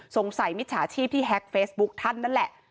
มิจฉาชีพที่แฮ็กเฟซบุ๊คท่านนั่นแหละ